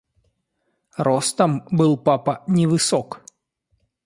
Ростом был папа невысок.